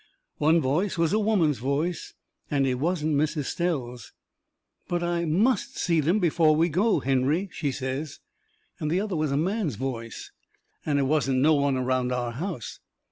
One voice was a woman's voice, and it wasn't Miss Estelle's. "But I MUST see them before we go, Henry," she says. And the other was a man's voice and it wasn't no one around our house.